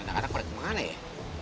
ini anak anak mereka mana ya